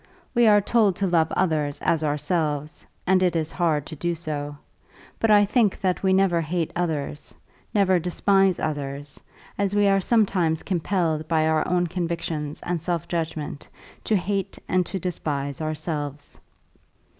We are told to love others as ourselves, and it is hard to do so. But I think that we never hate others, never despise others, as we are sometimes compelled by our own convictions and self judgment to hate and to despise ourselves.